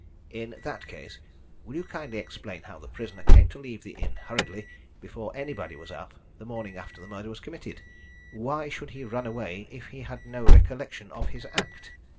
"In that case, will you kindly explain how the prisoner came to leave the inn hurriedly, before anybody was up, the morning after the murder was committed? Why should he run away if he had no recollection of his act?"